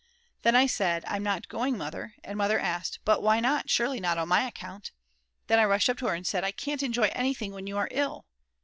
Then I said: "I'm not going Mother," and Mother asked: "But why not, surely not on my account?" Then I rushed up to her and said: "I can't enjoy anything when you are ill."